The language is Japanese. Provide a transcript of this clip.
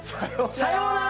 さよなら。